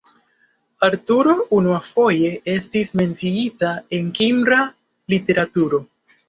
Arturo unuafoje estis menciita en kimra literaturo.